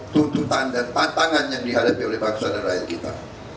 tuntutan dan tantangan yang dihadapi oleh bangsa dan rakyat kita